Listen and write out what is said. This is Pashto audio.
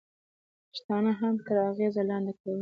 پښتانه یې هم تر اغېزې لاندې کولای.